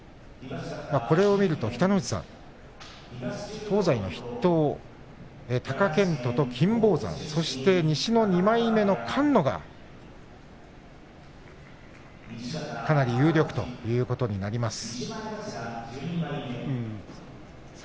これを見ると、北の富士さん東西の筆頭貴健斗と金峰山そして西の２枚目の菅野がかなり有力ということになります。